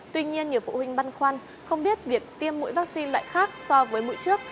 tuy nhiên nhiều phụ huynh băn khoăn không biết việc tiêm mũi vaccine lại khác so với mũi trước